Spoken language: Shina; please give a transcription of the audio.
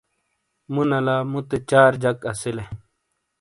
مو نلا موتے چار جک اسی لے۔